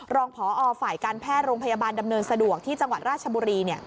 รองพอฝ่ายการแพทย์โรงพยาบาลดำเนินสะดวกที่จังหวัดราชบุรี